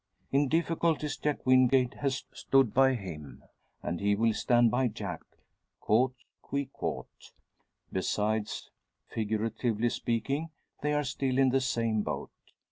In difficulties Jack Wingate has stood by him, and he will stand by Jack, coute qui coute. Besides, figuratively speaking, they are still in the same boat.